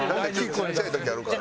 ちっちゃい時あるからな。